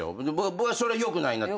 僕はそれよくないなって。